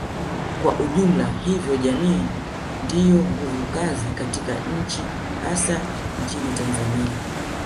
kwa ujumla hivyo jamii ndiyo nguvu kazi katika nchi hasa nchini Tanzania